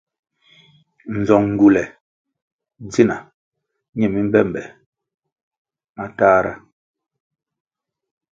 Nzong ngywule ndzina nye mi mbe mbe matahra.